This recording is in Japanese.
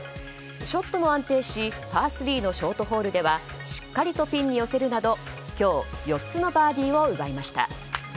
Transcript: ショットも安定しパー３のショートホールではしっかりとピンに寄せるなど今日４つのバーディーを奪いました。